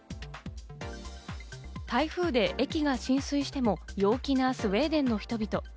台風で駅が浸水しても陽気なスウェーデンの人々。